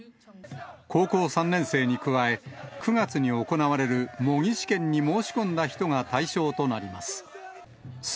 高校３年生に加え、９月に行われる模擬試験に申し込んだ人が対象となります。